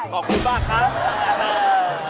ขอบคุณมากครับ